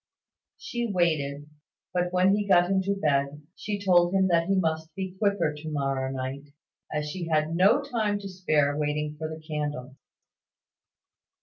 She waited; but when he got into bed, she told him that he must be quicker to morrow night, as she had no time to spare waiting for the candle.